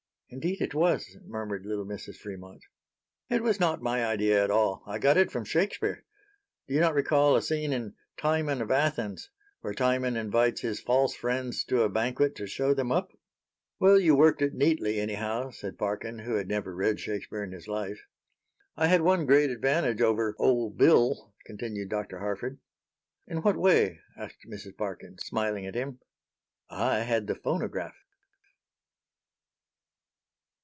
"Indeed it was," murmured little Mrs. Fremont. "It was not my idea at all. I got it from Shakespeare. Do you not recall a scene in 'Timon of Athens' where Timon invites his false friends to a banquet to show them up?" "Well, you worked it neatly, anyhow," said Parkin, who had never read Shakespeare in his life. "I had one great advantage over 'old Bill,'" continued Dr. Harford. "In what way?" asked Mrs. Parkin, smiling at him. "I had the phonograph."